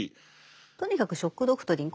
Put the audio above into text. とにかく「ショック・ドクトリン」